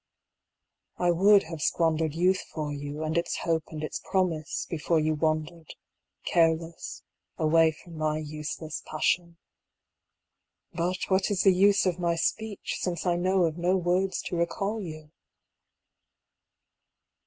I would have squandered Youth for you, and its hope and its promise, Before you wandered, careless, away from my useless passion. But what is the use of my speech, since I know of no words to recall you?